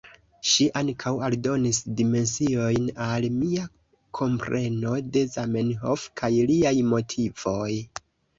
Ŝi ankaŭ aldonis dimensiojn al mia kompreno de Zamenhof kaj liaj motivoj.